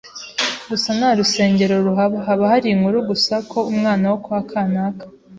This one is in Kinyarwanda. gusa nta n’ urusengero ruhaba, haba hari inkuru gusa ko umwana wo kwa kanaka